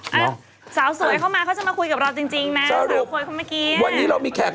ใครจะผิดใครจะถูกอะเนาะ